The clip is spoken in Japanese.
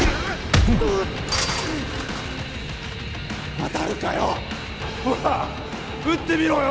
うっ当たるかよほら撃ってみろよ